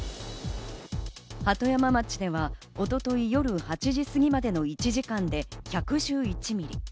鳩山町では、一昨日夜８時過ぎまでの１時間で１１１ミリ。